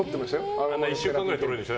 あれ、１週間ぐらいでとれるんでしょ？